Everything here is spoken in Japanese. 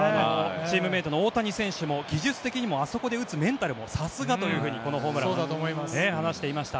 チームメートの大谷選手も技術的にもあそこで打つメンタルもさすがだとこのホームランについて話していました。